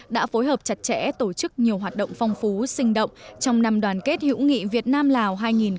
đã phối hợp chặt chẽ tổ chức nhiều hoạt động phong phú sinh động trong năm đoàn kết hữu nghị việt nam lào hai nghìn một mươi chín